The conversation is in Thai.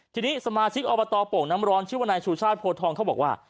ทีนี้สมาชิกอบตโป่งน้ำร้อนชื่อวนายชูชาติโพทองเขาบอกว่า